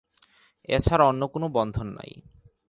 এ ছাড়া অন্য কোন বন্ধন নাই।